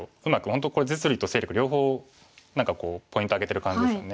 本当これ実利と勢力両方何かポイント挙げてる感じですよね。